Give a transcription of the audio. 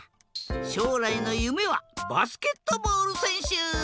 しょうらいのゆめはバスケットボールせんしゅ。